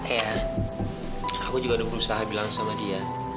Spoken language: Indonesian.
eh aku juga udah berusaha bilang sama dia